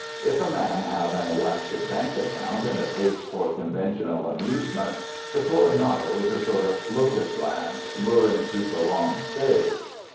If a man have an elastic bank account and a taste for conventional amusements, the Coronado is a sort of lotus land, luring to prolonged stay.